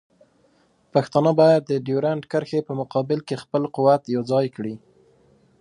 پښتانه باید د ډیورنډ کرښې په مقابل کې خپل قوت یوځای کړي.